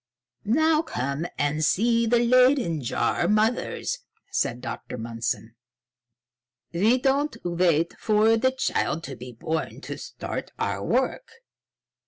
"Now come and see the Leyden jar mothers," said Dr. Mundson. "We do not wait for the child to be born to start our work."